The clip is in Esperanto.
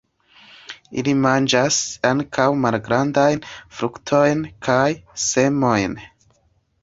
Ili manĝas ankaŭ malgrandajn fruktojn kaj semojn.